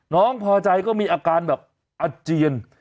น้องพอใจก็มีอาการแบบอาเจียน